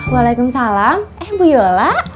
waalaikumsalam eh bu yola